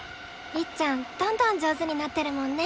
りっちゃんどんどん上手になってるもんね。